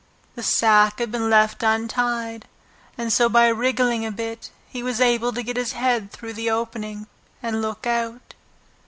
The sack had been left untied, and so by wriggling a bit he was able to get his head through the opening and look out.